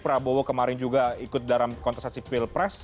prabowo kemarin juga ikut dalam kontestasi pilpres